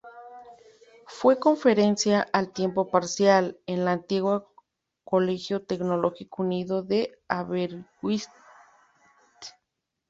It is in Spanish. Fue conferencista, a tiempo parcial, en la antigua Colegio Teológico Unido de Aberystwyth.